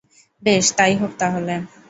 বেশ, তাই হোক তাহলে!